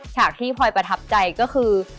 ฉากประทับใจก็คือ